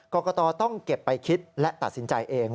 กรกตต้องเก็บไปคิดและตัดสินใจเอง